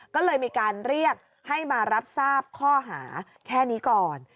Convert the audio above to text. ก็เลยมีการเรียกให้มารับทราบข้อหาแค่นี้ก่อน